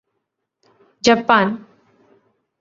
Japan